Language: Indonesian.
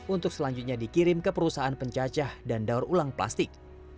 untuk selanjutnya dikirim ke perusahaan pencacah dan daur ulang plastik